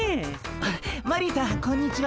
あっマリーさんこんにちは。